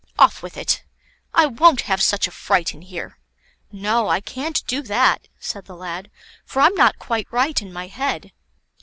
Off with it. I won't have such a fright in here." "No, I can't do that," said the lad; "for I'm not quite right in my head."